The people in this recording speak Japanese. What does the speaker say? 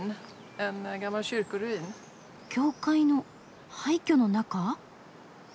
教会の廃虚の中？